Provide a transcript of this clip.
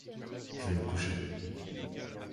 Je vais me coucher.